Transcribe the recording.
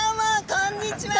こんにちは。